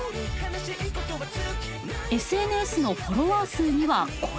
ＳＮＳのフォロワー数にはこだわりました。